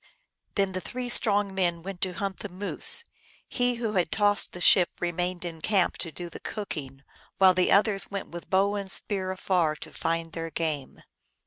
Then the three strong men went to hunt the moose. He who had tossed the ship remained in camp to do the cooking, while the others went with bow and spear afar to find their game.